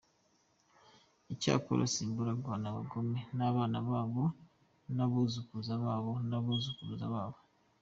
Icyakora, simbura guhana abagome n’abana babo n’abuzukuru babo n’abazukuruza babo”.